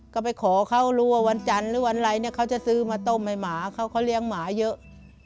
ก็ไปขอเขารัววันจหรือวันไหลจะซื้อมาต้มให้หมาเขาเลี้ยงหมาเยอะ